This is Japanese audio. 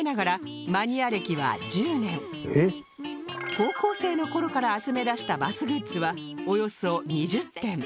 高校生の頃から集めだしたバスグッズはおよそ２０点